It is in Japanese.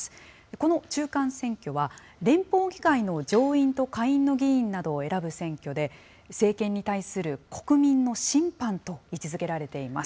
この中間選挙は、連邦議会の上院と下院の議員などを選ぶ選挙で、政権に対する国民の審判と位置づけられています。